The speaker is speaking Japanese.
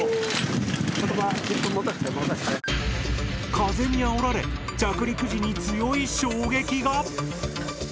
風にあおられ着陸時に強い衝撃が！